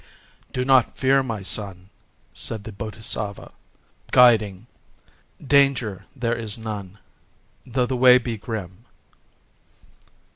"Do not fear, my son," said the Bodhisattva, guiding: "danger there is none, though the way be grim."